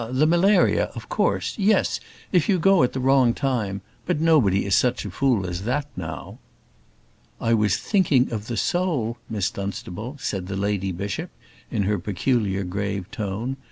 the malaria of course yes; if you go at the wrong time; but nobody is such a fool as that now." "I was thinking of the soul, Miss Dunstable," said the lady bishop, in her peculiar, grave tone.